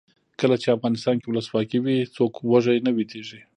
کله چې افغانستان کې ولسواکي وي څوک وږی نه ویدېږي.